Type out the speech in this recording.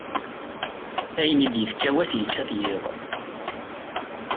Ayen i d-ifka wass yečča-t yiḍ.